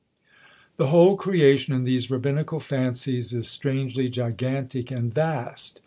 The whole creation in these rabbinical fancies is strangely gigantic and vast.